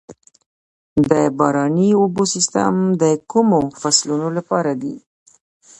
د باراني اوبو سیستم د کومو فصلونو لپاره دی؟